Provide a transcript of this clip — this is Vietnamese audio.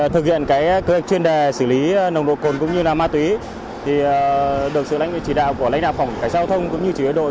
thực hiện cơ hội chuyên đề xử lý nồng độ cồn cũng như ma túy được sự lãnh đạo phòng khách giao thông cũng như chỉ huy đội